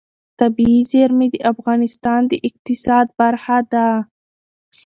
طبیعي زیرمې د افغانستان د اقتصاد برخه ده.